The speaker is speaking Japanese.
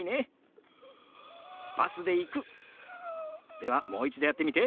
ではもう一度やってみて。